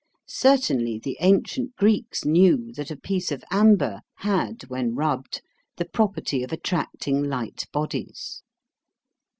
Certainly the ancient Greeks knew that a piece of amber had when rubbed the property of attracting light bodies.